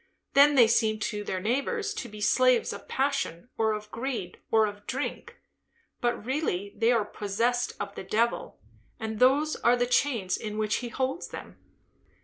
Then they seem to their neighbours to be slaves of passion, or of greed, or of drink; but really they are 'possessed of the devil,' and those are the chains in which he holds them."